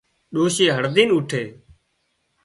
ڏوشي هڙۮينَ اوٺي